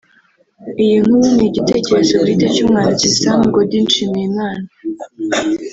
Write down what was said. Iyi nkuru ni igitekerezo bwite cy’umwanditsi Sam Gody Nshimiyimana